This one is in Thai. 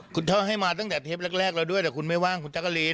คุณท่อให้มาตั้งแต่เทปแรกแล้วด้วยแต่คุณไม่ว่างคุณจักรีน